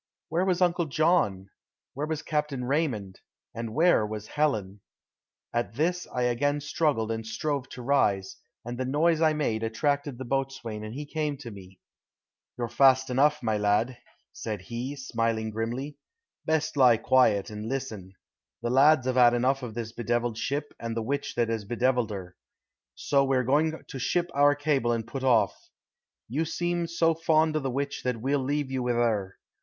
Where was Uncle John, where was Captain Raymond, and where was Helen? At this I again struggled and strove to rise, and the noise I made attracted the boatswain and he came to me. "You're fast enough, my lad," said he, smiling grimly. "Best lie quiet and listen. Th' lads 'ave 'ad enough of this bediviled ship and the witch that 'as bediviled 'er. So we're goin' to ship our cable and put hoff. You seem so fond o' the witch that we'll leave you with 'er.